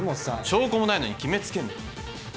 証拠もないのに決めつけんな。